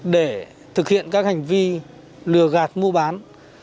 để thực hiện các hành vi lừa gạt mua bán